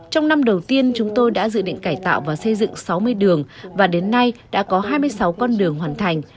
trong năm đầu tiên chúng tôi đã dự định cải tạo và xây dựng sáu mươi đường và đến nay đã có hai mươi sáu con đường hoàn thành